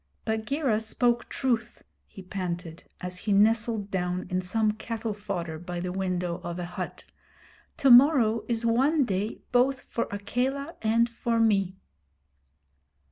'Bagheera spoke truth,' he panted, as he nestled down in some cattle fodder by the window of a hut. 'To morrow is one day both for Akela and for me.'